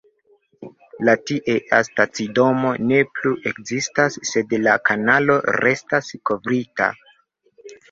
La tiea stacidomo ne plu ekzistas, sed la kanalo restas kovrita.